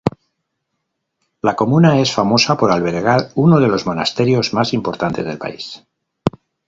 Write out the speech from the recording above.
La comuna es famosa por albergar uno de los monasterios más importantes del país.